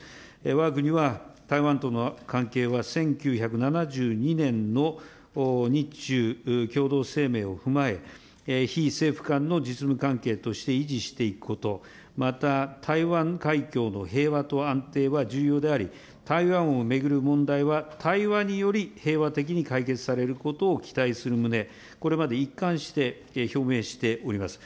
わが国は台湾との関係は１９７２年の日中共同声明を踏まえ、非政府間の実務関係として維持していくこと、また台湾海峡の平和と安定は重要であり、台湾を巡る問題は、対話により平和的に解決されることを期待する旨、これまで一貫して表明しております。